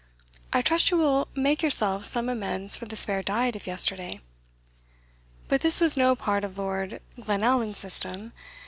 I trust you will make yourself some amends for the spare diet of yesterday." But this was no part of Lord Glenallan's system.